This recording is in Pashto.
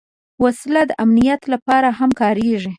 وسله د امنیت لپاره هم کارېږي